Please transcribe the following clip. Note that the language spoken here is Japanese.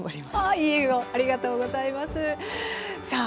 ありがとうございます。